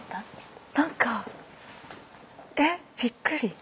何かえっびっくり。